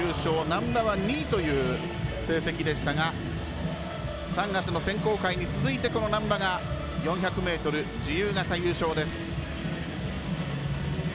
難波が２位という成績でしたが３月の選考会に続いてこの難波が４００ｍ自由形優勝です。